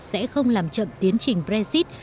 sẽ không làm chậm tiến trình brexit